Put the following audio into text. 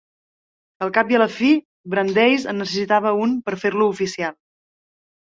Al cap i a la fi, Brandeis en necessitava un per fer-lo oficial.